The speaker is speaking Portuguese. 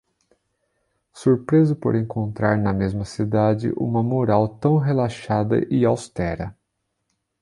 Surpreso por encontrar na mesma cidade uma moral tão relaxada e austera.